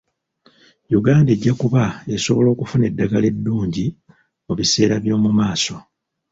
Uganda ejja kuba esobola okufuna eddagala eddungi mu biseera by'omumaaso.